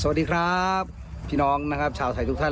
สวัสดีครับพี่น้องนะครับชาวไทยทุกท่าน